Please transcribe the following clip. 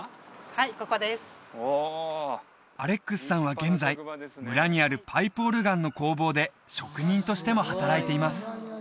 はいここですアレックスさんは現在村にあるパイプオルガンの工房で職人としても働いています